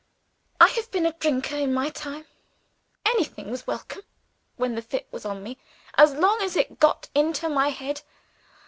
"I have been a drinker, in my time. Anything was welcome, when the fit was on me, as long as it got into my head.